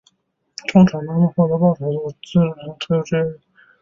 通常他们获得报酬的方式类似自由职业人。